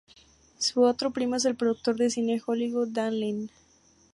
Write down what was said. Su otro primo es el productor de cine Hollywood, Dan Lin.